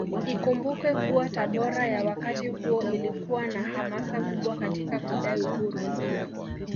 Ikumbukwe kuwa Tabora ya wakati huo ilikuwa na hamasa kubwa Katika kudai Uhuru